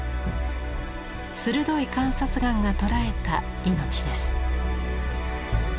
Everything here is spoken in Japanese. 鋭い観察眼が捉えた命です。